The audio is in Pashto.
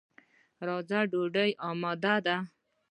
راځه، ډوډۍ اماده ده.